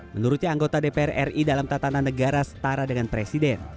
menurutnya anggota dpr ri dalam tatanan negara setara dengan presiden